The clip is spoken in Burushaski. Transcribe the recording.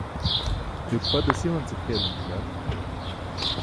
tiripa dasiwance kʰelan bila